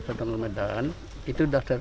sedang medan itu dasar